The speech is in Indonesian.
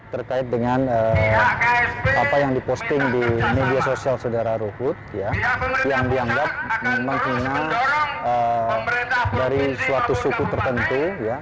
terkait dengan apa yang diposting di media sosial saudara ruhut yang dianggap menghina dari suatu suku tertentu